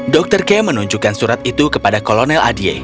dr kemp menunjukkan surat itu kepada kolonel adie